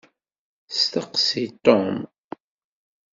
Steqsi Tom!